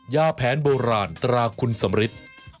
ยาแผนโบราณตราคุณสำริท